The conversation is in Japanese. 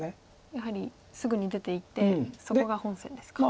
やはりすぐに出ていってそこが本線ですか。